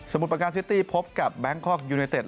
มุดประการซิตี้พบกับแบงคอกยูเนเต็ด